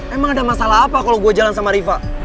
emang ada masalah apa kalau gue jalan sama riva